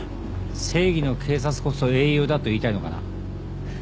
正義の警察こそ英雄だと言いたいのかな？